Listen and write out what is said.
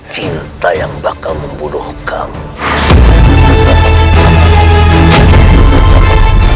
cinta yang bakal membunuh kamu